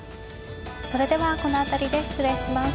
それではこの辺りで失礼します。